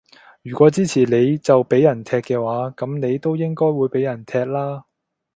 如果支持你就畀人踢嘅話，噉你都應該會畀人踢啦